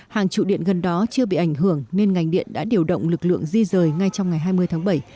hàng trụ điện gần đó chưa bị ảnh hưởng nên ngành điện đã điều động lực lượng di rời ngay trong ngày hai mươi tháng bảy